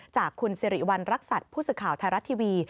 จากคุณสิริวัณรักษัตริย์ผู้สื่อข่าวไทยรัฐทีวี